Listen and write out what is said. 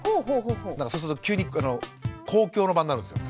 そうすると急に公共の場になるんですよ